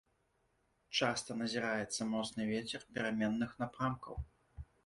Часта назіраецца моцны вецер пераменных напрамкаў.